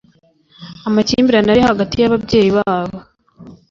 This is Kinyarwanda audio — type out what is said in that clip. amakimbirane ari hagati y’ababyeyi babo